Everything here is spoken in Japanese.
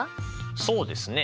そうですね